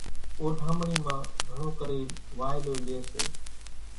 اوڍامڻي مان گھڻون ڪرين وائلو لئي سي۔